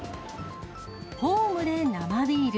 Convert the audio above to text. ホームで生ビール。